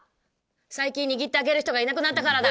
最近握ってあげる人がいなくなったからだ！